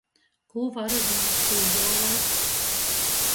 Kū varu jums pīduovuot?